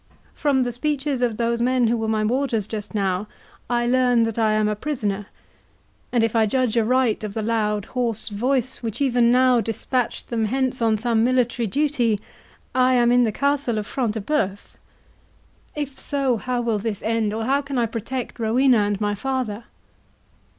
From the speeches of those men who were my warders just now, I learn that I am a prisoner, and, if I judge aright of the loud hoarse voice which even now dispatched them hence on some military duty, I am in the castle of Front de Bœuf—If so, how will this end, or how can I protect Rowena and my father?"